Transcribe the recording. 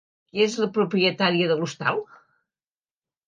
Qui és la propietària de l'hostal?